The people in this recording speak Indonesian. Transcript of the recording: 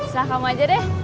silahkan kamu aja deh